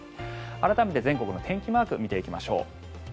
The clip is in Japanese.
改めて全国の天気マーク見ていきましょう。